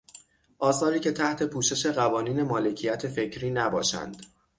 آثاری که تحت پوشش قوانین مالکیت فکری نباشند.